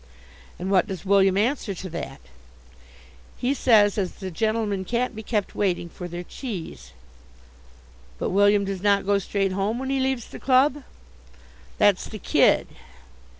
"And what does William answer to that?" "He says as the gentlemen can't be kept waiting for their cheese." "But William does not go straight home when he leaves the club?" "That's the kid."